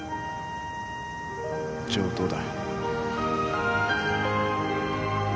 上等だ。